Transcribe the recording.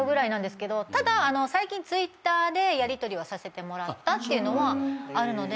ただ最近Ｔｗｉｔｔｅｒでやりとりはさせてもらったっていうのはあるので。